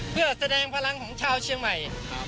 เพื่อแสดงพลังของชาวเชียงใหม่